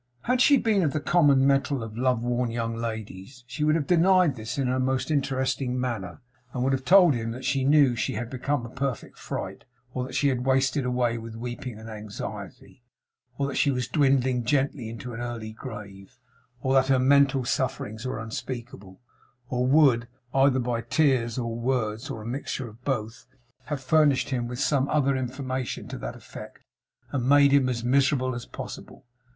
Had she been of the common metal of love worn young ladies, she would have denied this in her most interesting manner; and would have told him that she knew she had become a perfect fright; or that she had wasted away with weeping and anxiety; or that she was dwindling gently into an early grave; or that her mental sufferings were unspeakable; or would, either by tears or words, or a mixture of both, have furnished him with some other information to that effect, and made him as miserable as possible.